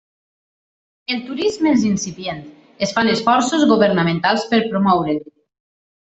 El turisme és incipient, es fan esforços governamentals per promoure'l.